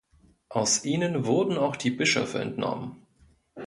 Aus ihnen wurden auch die Bischöfe entnommen.